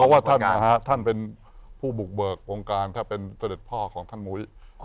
ว่าท่านท่านเป็นผู้บุกเบิกวงการถ้าเป็นเสด็จพ่อของท่านมุ้ย